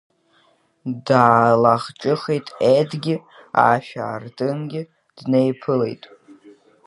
Даалахҿыххеит Едгьы, ашә аартынгьы днеиԥылеит.